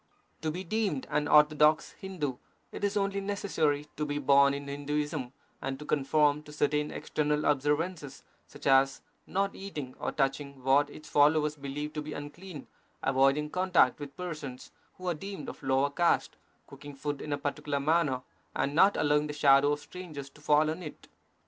To be deemed an orthodox Hindu it is only necessary to be born in Hinduism and to conform to certain external observances, such as not eating or touching what its followers believe to be unclean, avoiding contact with persons who are deemed of lower caste, cooking food in a particular manner, and not allowing the shadow of strangers to fall on it.